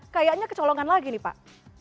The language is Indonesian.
kayaknya kecolongan lagi nih pak